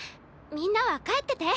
みんなは帰ってて。